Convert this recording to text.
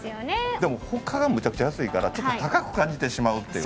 でも他がむちゃくちゃ安いから高く感じてしまうっていう。